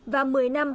và một mươi năm